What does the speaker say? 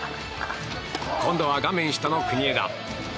今度は画面下の国枝。